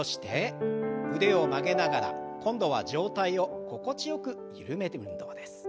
腕を曲げながら今度は上体を心地よく緩める運動です。